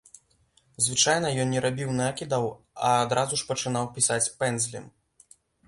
Звычайна ён не рабіў накідаў, а адразу ж пачынаў пісаць пэндзлем.